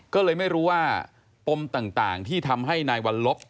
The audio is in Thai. ก็เลยไม่รู้ว่าปมต่างที่ทำให้นายวัลลบ